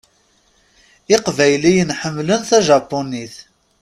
Iqbayliyen ḥemmlen tajapunit.